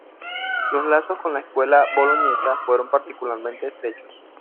Los lazos con la escuela boloñesa fueron particularmente estrechos.